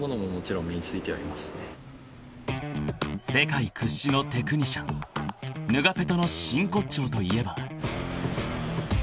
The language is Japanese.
［世界屈指のテクニシャンヌガペトの真骨頂といえば］